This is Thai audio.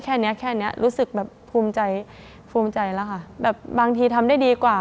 แค่เนี้ยแค่เนี้ยรู้สึกแบบภูมิใจภูมิใจแล้วค่ะแบบบางทีทำได้ดีกว่า